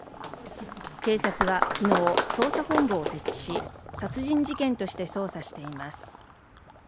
警察は昨日、捜査本部を設置し、殺人事件として捜査しています。